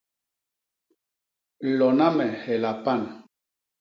Lona me hela pan.